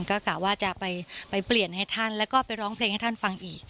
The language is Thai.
ก็กะว่าจะไปเปลี่ยนให้ท่านแล้วก็ไปร้องเพลงให้ท่านฟังอีก